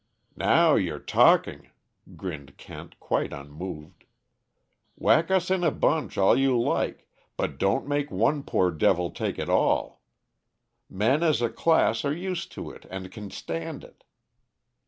"Now you're talking," grinned Kent, quite unmoved. "Whack us in a bunch all you like but don't make one poor devil take it all. Men as a class are used to it and can stand it."